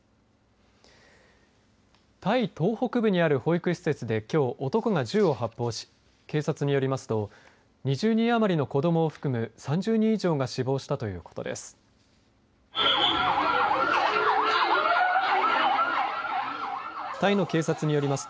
タイ東北部にある保育施設できょう男が銃を発砲し警察によりますと２０人余りの子どもを含む３０人以上が死亡したということです。